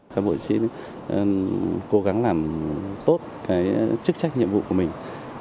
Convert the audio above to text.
các bộ trí cố gắng làm tốt chức trách nhiệm vụ của mình